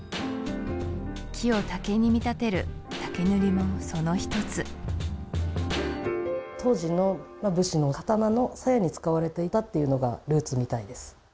木を竹に見立てる竹塗もそのひとつ当時の武士の刀のさやに使われていたっていうのがルーツみたいです